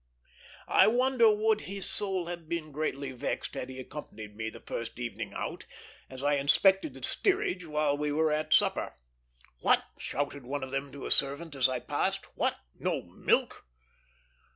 I wonder would his soul have been greatly vexed had he accompanied me the first evening out, as I inspected the steerage while they were at supper? "What!" shouted one of them to a servant, as I passed. "What! No milk?"